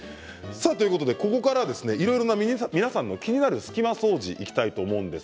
ここからはいろいろな皆さんの気になる隙間掃除いきたいと思います。